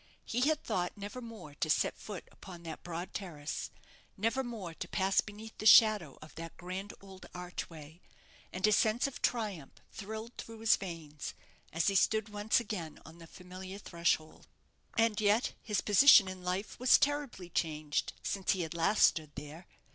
He had thought never more to set foot upon that broad terrace, never more to pass beneath the shadow of that grand old archway; and a sense of triumph thrilled through his veins as he stood once again on the familiar threshold. And yet his position in life was terribly changed since he had last stood there.